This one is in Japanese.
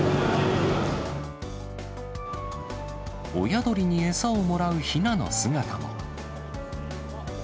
親鳥に餌をもらうひなの姿も。